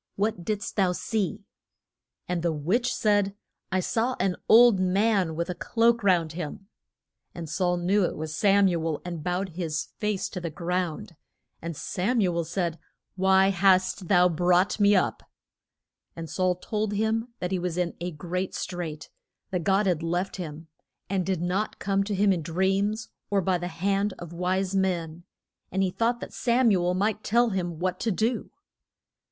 What did'st thou see? And the witch said, I saw an old man with a cloak round him. And Saul knew it was Sam u el, and bowed his face to the ground. And Sam u el said, Why hast thou brought me up? And Saul told him that he was in a great strait, that God had left him, and did not come to him in dreams or by the hand of wise men, and he thought that Sam u el might tell him what to do.